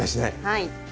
はい。